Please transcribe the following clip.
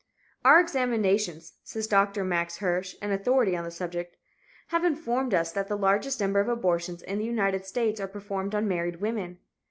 "Our examinations," says Dr. Max Hirsch, an authority on the subject, "have informed us that the largest number of abortions (in the United States) are performed on married women.